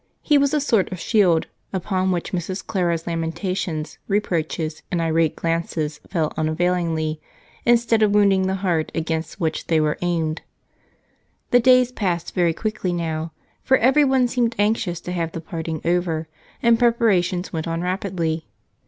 He was a sort of shield upon which Mrs. Clara's lamentations, reproaches, and irate glances fell unavailingly instead of wounding the heart against which they were aimed. The days passed very quickly now, for everyone seemed anxious to have the parting over and preparations went on rapidly.